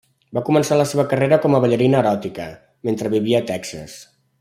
Va començar la seva carrera com a ballarina eròtica, mentre vivia a Texas.